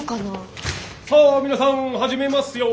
さあ皆さん始めますよ。